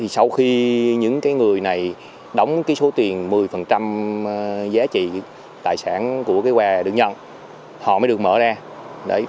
sau khi những người này đóng số tiền một mươi giá trị tài sản của quà được nhận họ mới được mở ra